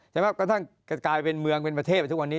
แม้กระทั่งกลายเป็นเมืองเป็นประเทศทุกวันนี้